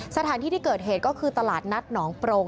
สถานที่ที่เกิดเหตุก็คือตลาดนัดหนองโปรง